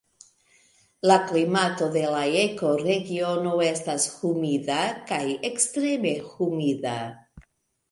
La klimato de la ekoregiono estas humida kaj ekstreme humida.